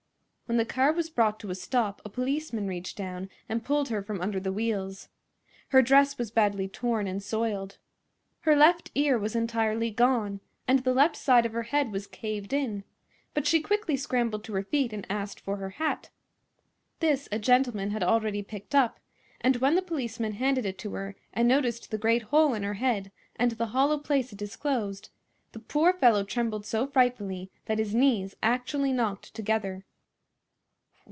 When the car was brought to a stop a policeman reached down and pulled her from under the wheels. Her dress was badly torn and soiled. Her left ear was entirely gone, and the left side of her head was caved in; but she quickly scrambled to her feet and asked for her hat. This a gentleman had already picked up, and when the policeman handed it to her and noticed the great hole in her head and the hollow place it disclosed, the poor fellow trembled so frightfully that his knees actually knocked together.